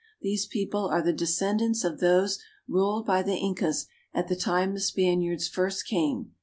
These people are the descendants of those ruled by the Incas at the time the Spaniards first came.